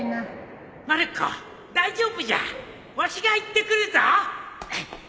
まる子大丈夫じゃわしが行ってくるぞ！